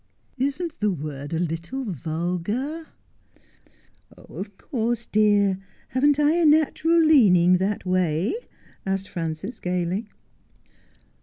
' Isn't the word a little vulgar 1 '' Of course, dear. Haven't I a natural leaning that way 1 ' asked Frances gaily.